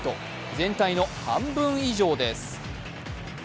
全体の半分以上です。